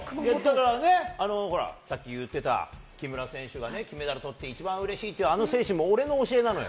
さっき言ってた木村選手が金メダルを取って一番嬉しいっていう、あの精神も俺の教えなのよ。